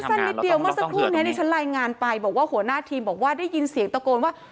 สั้นนิดเดียวเมื่อสักครู่นี้ที่ฉันรายงานไปบอกว่าหัวหน้าทีมบอกว่าได้ยินเสียงตะโกนว่า